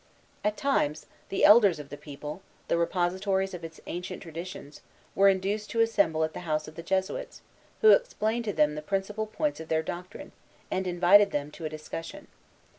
At times, the elders of the people, the repositories of its ancient traditions, were induced to assemble at the house of the Jesuits, who explained to them the principal points of their doctrine, and invited them to a discussion.